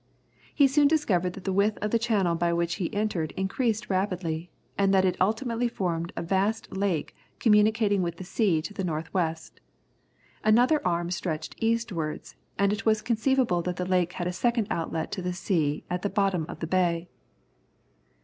He soon discovered that the width of the channel by which he entered increased rapidly, and that it ultimately formed a vast lake communicating with the sea to the north west. Another arm stretched eastwards, and it was conceivable that the lake had a second outlet into the sea at the bottom of the bay.